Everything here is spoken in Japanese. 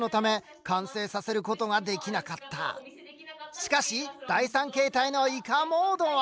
しかし第３形態のイカモードは。